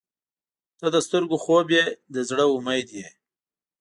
• ته د سترګو خوب یې، د زړه امید یې.